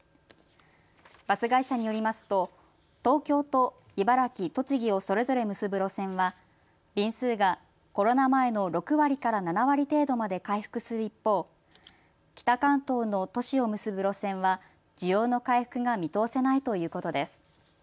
バス会社によりますと東京と茨城、栃木をそれぞれ結ぶ路線は便数がコロナ前の６割から７割程度まで回復する一方、北関東の都市を結ぶ路線は需要の回復が見通せないということです。